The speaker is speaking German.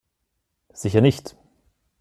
Sicher nicht!